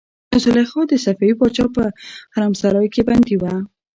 زلیخا د صفوي پاچا په حرمسرای کې بندي وه.